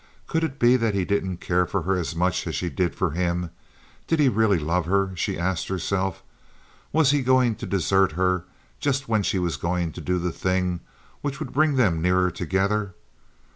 Could it be that he didn't care for her as much as she did for him? Did he really love her? she asked herself. Was he going to desert her just when she was going to do the thing which would bring them nearer together?